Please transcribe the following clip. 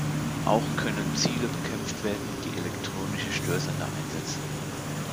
Auch können Ziele bekämpft werden, die elektronische Störsender einsetzen.